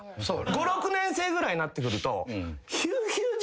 ５６年生ぐらいになってくると。